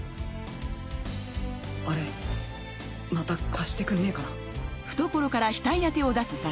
あれまた貸してくんねえかな。